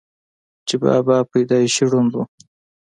چې بابا پېدائشي ړوند وو،